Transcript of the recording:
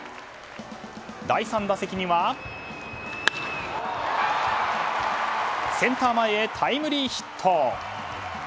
第３打席には、センター前へタイムリーヒット。